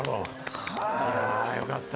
よかった！